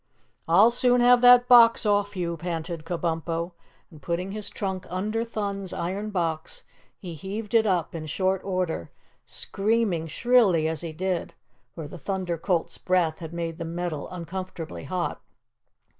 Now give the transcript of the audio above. "I'll soon have that box off you!" panted Kabumpo. And putting his trunk under Thun's iron box, he heaved it up in short order, screaming shrilly as he did, for the Thunder Colt's breath had made the metal uncomfortably hot.